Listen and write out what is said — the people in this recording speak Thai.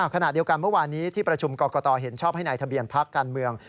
ขณะเดียวกันเมื่อวานนี้ที่ประชุมกรกตเห็นชอบให้นายทะเบียนพักการเมือง